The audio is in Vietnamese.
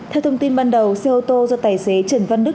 theo thông tin ban đầu xe ô tô do tài xế trần văn đức